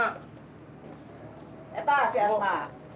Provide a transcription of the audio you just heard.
apa sih asma